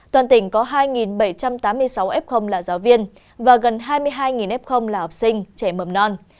toàn tỉnh có hai bảy trăm tám mươi sáu f là giáo viên và gần hai mươi hai f là học sinh trẻ mầm non